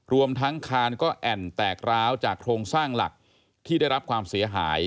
รวมทั้งคานก็แอ่นแตกร้าวจากโครงสร้างหลักที่ได้รับความเสียหาย